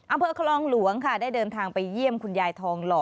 อำเภอคลองหลวงค่ะได้เดินทางไปเยี่ยมคุณยายทองหล่อ